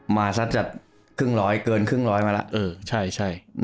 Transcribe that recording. มาสักจะครึ่งร้อยเกินครึ่งร้อยมาแล้วเออใช่